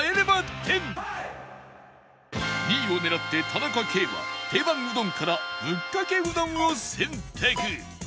２位を狙って田中圭は定番うどんからぶっかけうどんを選択